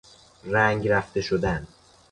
رنگ رفته شدن